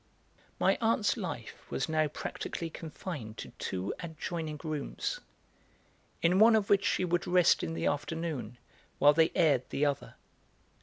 My aunt's life was now practically confined to two adjoining rooms, in one of which she would rest in the afternoon while they, aired the other.